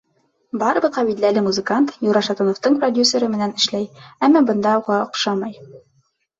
Барыбыҙға билдәле музыкант Юра Шатуновтың продюсеры менән эшләй, әммә бында уға оҡшамай.